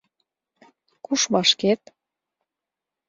— Куш вашкет?